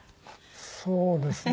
そうですね